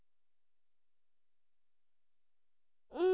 うん？